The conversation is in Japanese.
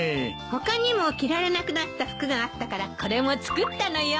他にも着られなくなった服があったからこれも作ったのよ。